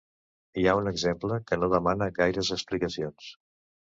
Hi ha un exemple que no demana gaires explicacions.